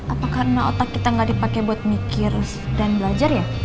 apa karena otak kita gak dipakai buat mikir dan belajar ya